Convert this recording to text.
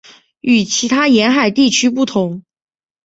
与其他沿海地区不同。